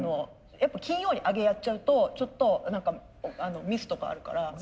やっぱ金曜にアゲやっちゃうとちょっとミスとかあるから。